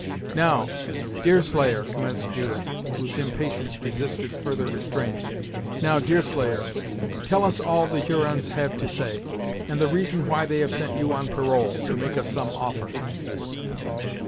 "Now, Deerslayer," commenced Judith, whose impatience resisted further restraint "now, Deerslayer, tell us all the Hurons have to say, and the reason why they have sent you on parole, to make us some offer."